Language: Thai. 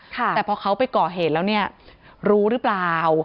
แต่พอเขาไปก่อเหตุแล้วเนี่ยรู้หรือเปล่า